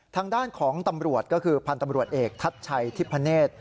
ทางด้านของตำรวจก็คือพันธ์ตำรวจเอกทัชชัยทิพเนธ